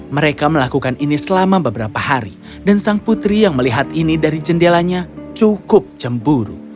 mereka melakukan ini selama beberapa hari dan sang putri yang melihat ini dari jendelanya cukup cemburu